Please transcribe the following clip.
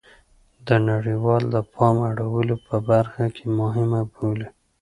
د نړیواله د پام اړولو په برخه کې مهمه بولي